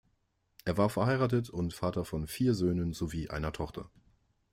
Er war verheiratet und Vater von vier Söhnen sowie einer Tochter.